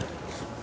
terima kasih pak